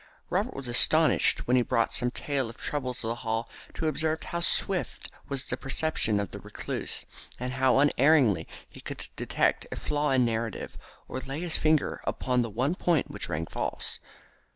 Robert was astonished when he brought some tale of trouble to the Hall to observe how swift was the perception of the recluse, and how unerringly he could detect a flaw in a narrative, or lay his finger upon the one point which rang false.